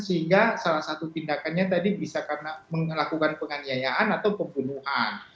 sehingga salah satu tindakannya tadi bisa karena melakukan penganiayaan atau pembunuhan